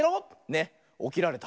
ねおきられた。